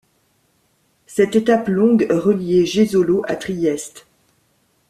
Cette étape longue de reliait Jesolo à Trieste.